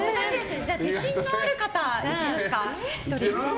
自信がある方いきますか？